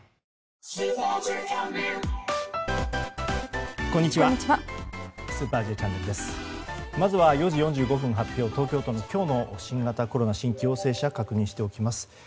東京都の今日の新型コロナの新規陽性者、確認しておきます。